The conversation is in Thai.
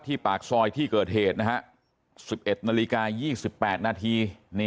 ปากซอยที่เกิดเหตุนะฮะ๑๑นาฬิกา๒๘นาที